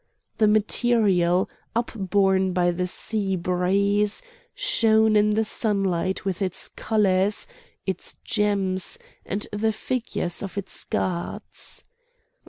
The material, upborne by the sea breeze, shone in the sunlight with its colours, its gems, and the figures of its gods.